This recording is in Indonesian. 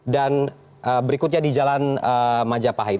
dan berikutnya di jalan majapahit